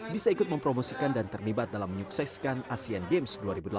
bisa ikut mempromosikan dan terlibat dalam menyukseskan asean games dua ribu delapan belas